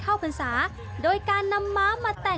กลายเป็นประเพณีที่สืบทอดมาอย่างยาวนาน